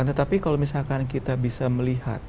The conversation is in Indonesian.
tetapi kalau misalkan kita bisa melihat